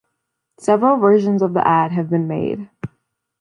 Several versions of the ad have been made.